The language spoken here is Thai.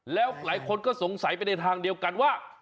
แล้วหลายคนก็สงสัยไปในทางเดียวกันว่า